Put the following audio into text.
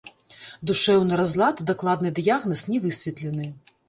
Душэўны разлад, дакладны дыягназ не высветлены.